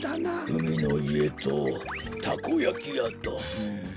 うみのいえとたこやきやとうん。